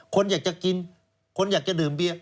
คนอยากจะกินคนอยากจะดื่มเบียร์